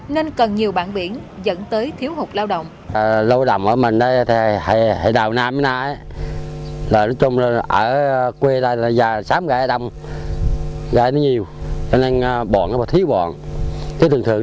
nên còn nhiều bản biển dẫn tới thiếu hụt lao động